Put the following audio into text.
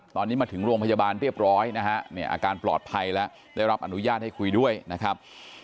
ตอนนี้มาถึงโรงพยาบาลเรียบร้อยนะฮะเนี่ยอาการปลอดภัยแล้วได้รับอนุญาตให้คุยด้วยนะครับ